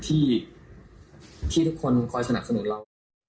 ที่ทุกคนคอยสนับสนุนเรา